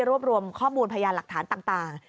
รวบรวมข้อมูลพยานหลักฐานต่าง